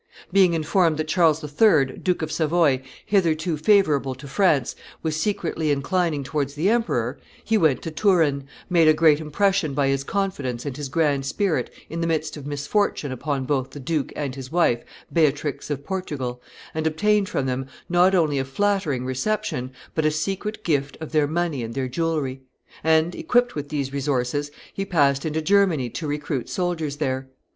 Being informed that Charles III., Duke of Savoy, hitherto favorable to France, was secretly inclining towards the emperor, he went to Turin, made a great impression by his confidence and his grand spirit in the midst of misfortune upon both the duke and his wife, Beatrix of Portugal, and obtained from them not only a flattering reception, but a secret gift of their money and their jewelry; and, equipped with these resources, he passed into Germany to recruit soldiers there.